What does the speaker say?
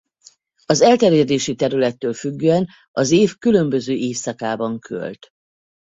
Az elterjedési területtől függően az év különböző évszakában költ.